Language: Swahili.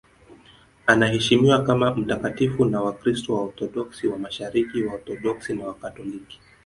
Anaheshimiwa kama mtakatifu na Wakristo Waorthodoksi wa Mashariki, Waorthodoksi na Wakatoliki.